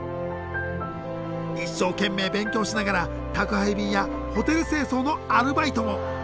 一生懸命勉強しながら宅配便やホテル清掃のアルバイトも。